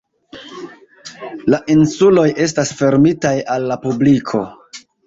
La insuloj estas fermitaj al la publiko.